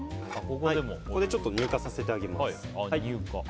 ここでちょっと乳化させてあげます。